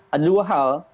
ada dua hal